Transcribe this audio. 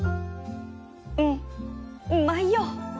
うんうまいよ